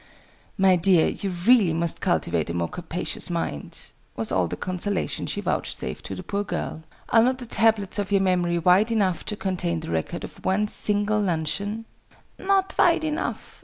"My dear, you really must cultivate a more capacious mind!" was all the consolation she vouchsafed to the poor girl. "Are not the tablets of your memory wide enough to contain the record of one single luncheon?" "Not wide enough!